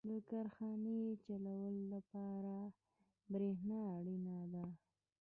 • د کارخانې چلولو لپاره برېښنا اړینه ده.